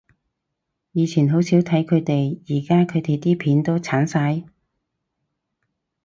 以前好少睇佢哋，而家佢哋啲片都剷晒？